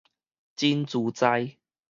真自在